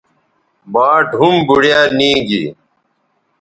باٹ ھُم بوڑیا نی گی